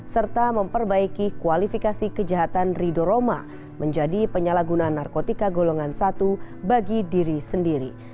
serta memperbaiki kualifikasi kejahatan rido roma menjadi penyalahguna narkotika golongan satu bagi diri sendiri